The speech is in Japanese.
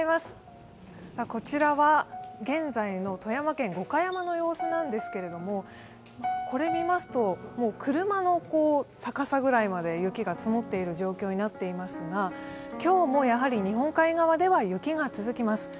こちらは現在の富山県五箇山の様子なんですけれども、これ見ますと、車の高さぐらいまで雪が積もっている状況になっていますが、今日もやはり日本海側では雪が続きます。